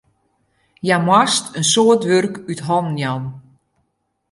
Hja moast in soad wurk út hannen jaan.